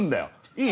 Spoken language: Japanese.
いい？